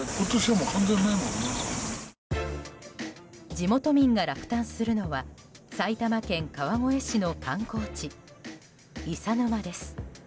地元民が落胆するのは埼玉県川越市の観光地伊佐沼です。